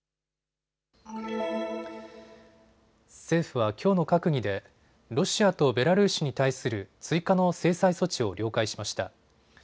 政府はきょうの閣議でロシアとベラルーシに対する追加の制裁措置を了解しました。